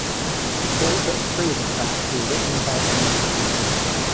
All but three of the tracks were written by Ellington.